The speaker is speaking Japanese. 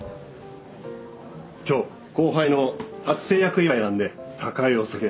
今日後輩の初成約祝いなんで高いお酒